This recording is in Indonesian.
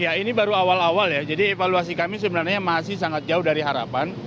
ya ini baru awal awal ya jadi evaluasi kami sebenarnya masih sangat jauh dari harapan